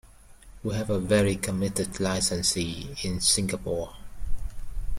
We have a very committed licensee in Singapore.